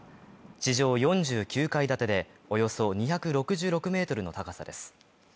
地上４９階建てでおよそ２６６ｍの高さです。